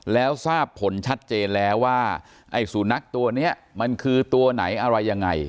แล้วทราบผลชัดเจนแล้วว่าไอ้สุนัขตัวนี้มันคือตัวไหนอะไรยังไง